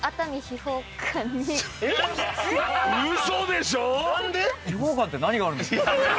秘宝館って何があるんですか？